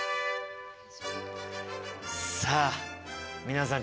さあ皆さん